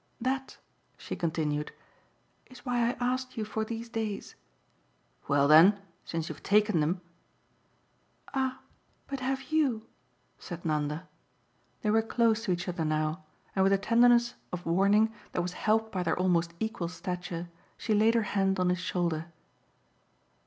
That," she continued, "is why I asked you for these days." "Well then, since you've taken them " "Ah but have YOU?" said Nanda. They were close to each other now, and with a tenderness of warning that was helped by their almost equal stature she laid her hand on his shoulder.